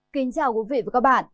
kính chào quý vị và các bạn